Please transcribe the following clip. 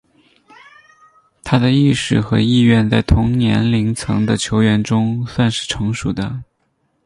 他的意识和意愿在同年龄层的球员中算是成熟的。